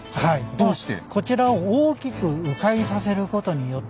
どうして？